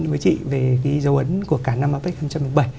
với chị về cái dấu ấn của cả năm apec hai nghìn một mươi bảy